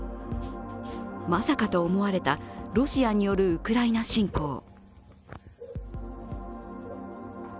まさかと思われたロシアによるウクライナ侵攻。